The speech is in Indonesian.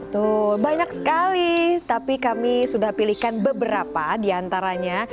tuh banyak sekali tapi kami sudah pilihkan beberapa diantaranya